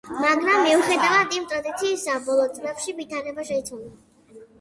მაგრამ მიუხედავად ამ ტრადიციისა, ბოლო წლებში ვითარება შეიცვალა.